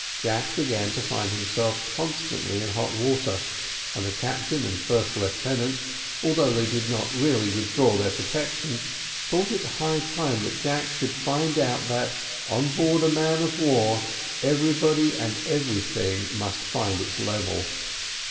Jack began to find himself constantly in hot water, and the captain and first lieutenant, although they did not really withdraw their protection, thought it high time that Jack should find out that, on board a man of war, everybody and everything must find its level.